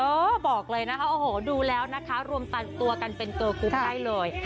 เออบอกเลยนะคะโอ้โหดูแล้วนะคะรวมตันตัวกันเป็นเกอร์กรุ๊ปให้เลย